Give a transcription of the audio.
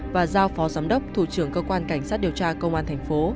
và giao phó giám đốc thủ trường cơ quan cảnh sát điều tra công an tp